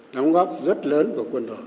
đóng góp rất lớn của quân đội